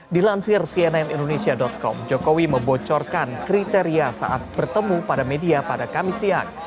dilansir cnn indonesia com jokowi membocorkan kriteria saat bertemu pada media pada kamis siang